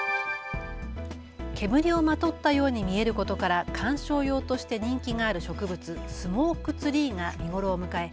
煙をまとったように見えることから観賞用として人気がある植物、スモークツリーが見頃を迎え